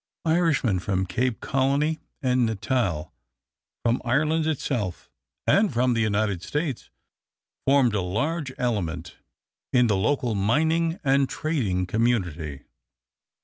Irishmen from Cape Colony and Natal, from Ireland itself, and from the United States formed a large element in the local mining and trading community.